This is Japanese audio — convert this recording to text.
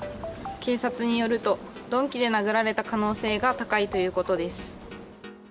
警察によると鈍器で殴られた可能性が高いということです。